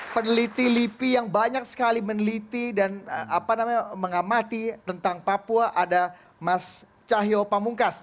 peneliti lipi yang banyak sekali meneliti dan mengamati tentang papua ada mas cahyo pamungkas